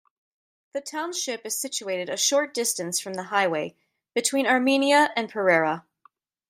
The township is situated a short distance from the highway between Armenia and Pereira.